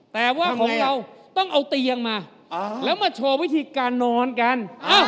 แต่ว่าของเราต้องเอาเตียงมาแล้วมาโชว์วิธีการนอนกัน